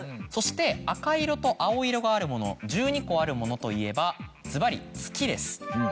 そして赤色と青色があるもの１２個あるものといえばずばり月です。